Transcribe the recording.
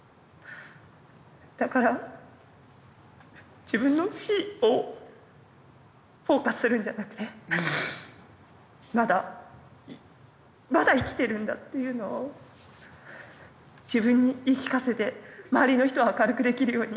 だから自分の死をフォーカスするんじゃなくてまだまだ生きてるんだというのを自分に言い聞かせて周りの人を明るくできるように。